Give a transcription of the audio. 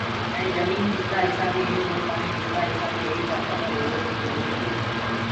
ائينٚ جمينٚ ڪِترآ هسآ مي هي اورَ پآڻيٚ ڪِترآ هِسآ مي يآ کبر هووو بيٚ جروريٚ